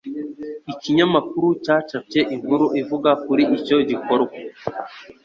Ikinyamakuru cyacapye inkuru ivuga kuri icyo gikorwa.